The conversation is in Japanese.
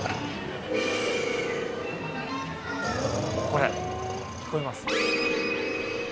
これ、聞こえます？